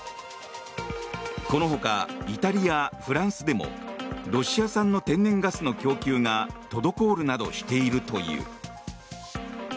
このほかイタリア、フランスでもロシア産の天然ガスの供給が滞るなどしているという。